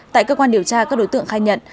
tại cơ quan điều tra các đối tượng khai nhận